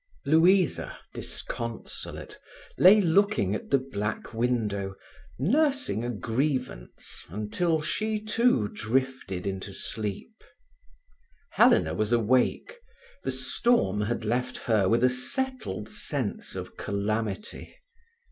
Louisa, disconsolate, lay looking at the black window, nursing a grievance, until she, too, drifted into sleep. Helena was awake; the storm had left her with a settled sense of calamity.